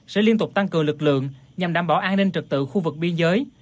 sẽ liên tục tăng cường lực lượng nhằm đảm bảo an ninh trật tự khu vực biên giới